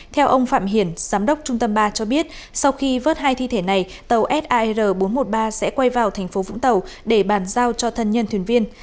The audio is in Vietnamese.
theo ông phạm hiển giám đốc trung tâm ba cho biết sau khi vớt hai thi thể này tàu sar bốn trăm một mươi ba sẽ quay vào thành phố vũng tàu để bàn giao cho thân nhân thuyền viên